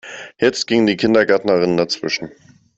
Jetzt ging die Kindergärtnerin dazwischen.